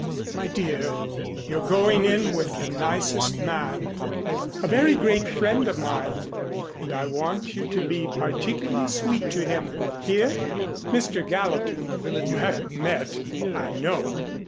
My dear, you're going in with the nicest man a very great friend of mine, and I want you to be particularly sweet to him. Hear? Mr. Gallatin you haven't met I know.